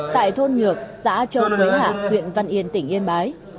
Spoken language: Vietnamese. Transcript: tại thôn nhược xã châu quế hạ huyện văn yên tỉnh yên bái